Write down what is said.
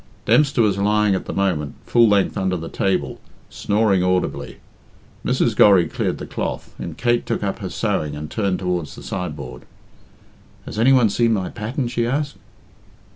Dempster was lying at the moment full length under the table, snoring audibly. Mrs. Gorry cleared the cloth, and Kate took up her sewing and turned towards the sideboard. "Has any one seen my pattern?" she asked.